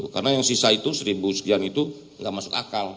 karena yang sisa itu satu sekian itu gak masuk akal